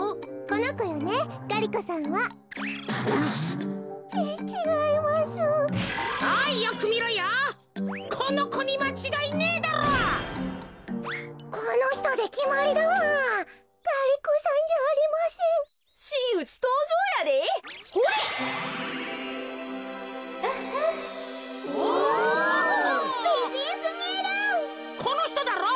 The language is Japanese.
このひとだろう？